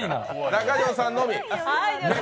中条さんのみ。